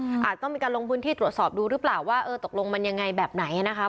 อาจจะต้องมีการลงพื้นที่ตรวจสอบดูหรือเปล่าว่าเออตกลงมันยังไงแบบไหนอ่ะนะคะ